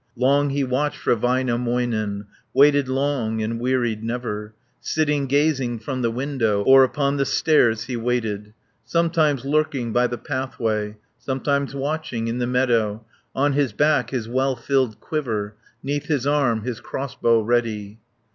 Long he watched for Väinämöinen, Waited long, and wearied never, Sitting gazing from the window, Or upon the stairs he waited, Sometimes lurking by the pathway, Sometimes watching in the meadow, 70 On his back his well filled quiver, 'Neath his arm his crossbow ready.